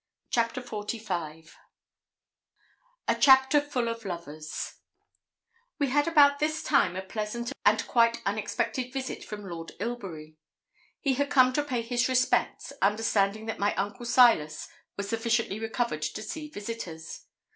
CHAPTER XLV A CHAPTER FULL OF LOVERS We had about this time a pleasant and quite unexpected visit from Lord Ilbury. He had come to pay his respects, understanding that my uncle Silas was sufficiently recovered to see visitors.